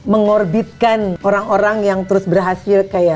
mengorbitkan orang orang yang terus berhasil kayak